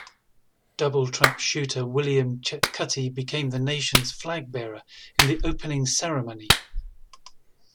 Double trap shooter William Chetcuti became the nation's flag bearer in the opening ceremony.